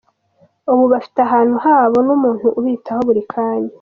Ubu bafite ahantu habo n’umuntu ubitaho buri kanya.’’